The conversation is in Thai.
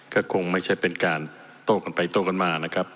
ก็คงไม่ใช่เป็นการโต้กันไปโต้กันมานะครับ